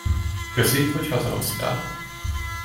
Köszi, hogy hazahoztál.